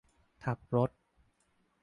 ทับรถ